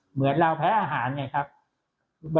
เหมือนเราแพ้อาหารไงครับ